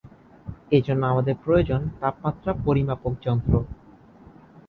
এর জন্য আমাদের প্রয়োজন তাপমাত্রা পরিমাপক যন্ত্র।